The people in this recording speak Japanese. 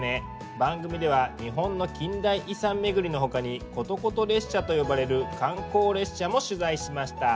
番組では日本の近代遺産巡りのほかにことこと列車と呼ばれる観光列車も取材しました。